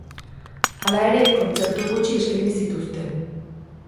Hala ere, kontzertu gutxi eskaini zituzten.